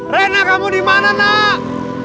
rena kamu dimana nak